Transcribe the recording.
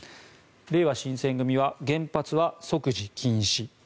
れいわ新選組は原発は即時禁止。